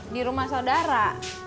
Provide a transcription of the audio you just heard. di rumah saudara